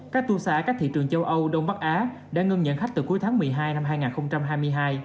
các tour xã các thị trường châu âu đông bắc á đã ngân nhận khách từ cuối tháng một mươi hai năm hai nghìn hai mươi hai